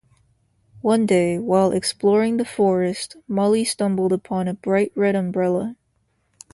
One day, while exploring the forest, Molly stumbled upon a bright red umbrella.